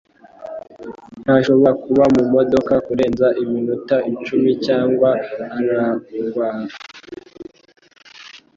ntashobora kuba mumodoka kurenza iminota icumi cyangwa ararwara